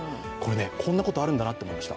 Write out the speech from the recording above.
こんなことあるんだなと思いました。